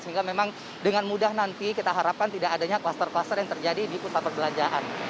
sehingga memang dengan mudah nanti kita harapkan tidak adanya kluster kluster yang terjadi di pusat perbelanjaan